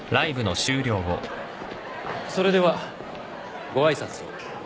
それではご挨拶を。